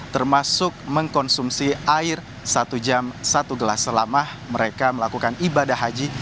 termasuk mengkonsumsi air satu jam satu gelas selama mereka melakukan ibadah haji